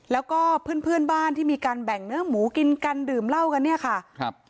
แล้วก็เพื่อนเพื่อนบ้านที่มีการแบ่งเนื้อหมูกินกันดื่มเหล้ากันเนี่ยค่ะครับ